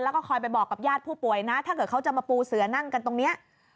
แล้วก็คอยไปบอกกับญาติผู้ป่วยนะถ้าเกิดเขาจะมาปูเสือนั่งกันตรงนี้